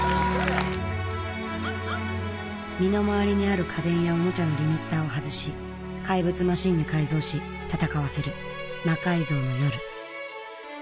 身の回りにある家電やオモチャのリミッターを外し怪物マシンに改造し戦わせる「魔改造の夜」。